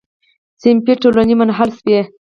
صنفي ټولنې منحل شوې.